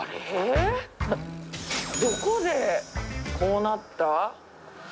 どこでこうなった？